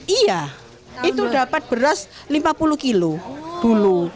iya itu dapat beras lima puluh kilo dulu